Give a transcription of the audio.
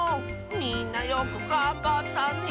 みんなよくがんばったね。